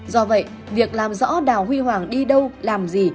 do vậy việc làm rõ đào huy hoàng đi đâu làm gì